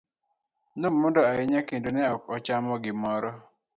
Nomondo ahinya kendo ne ko ochamo gimoro.